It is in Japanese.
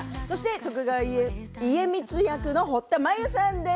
徳川家光役の堀田真由さんです。